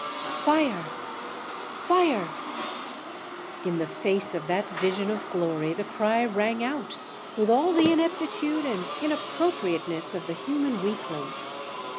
"'Fire! Fire!' "In the face of that vision of glory the cry rang out with all the ineptitude and inappropriateness of the human weakling.